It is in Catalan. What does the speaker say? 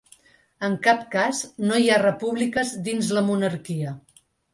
En cap cas no hi ha repúbliques dins la monarquia.